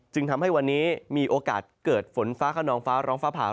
จึงทำให้วันนี้มีโอกาสเกิดฝนฟ้าขนองฟ้าร้องฟ้าผ่า